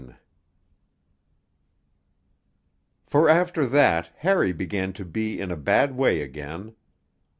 IX For after that Harry began to be in a bad way again.